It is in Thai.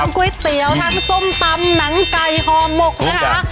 ก๋วยเตี๋ยวทั้งส้มตำหนังไก่ห่อหมกนะคะ